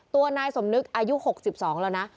ตัวนายสมนึกอายุ๖๒แล้วนะ